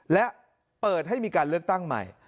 และเปิดให้มีการเลือกตั้งใหม่